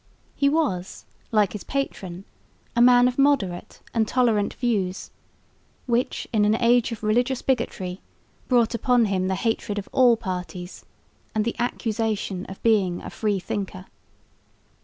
He was, like his patron, a man of moderate and tolerant views, which in an age of religious bigotry brought upon him the hatred of all parties and the accusation of being a free thinker.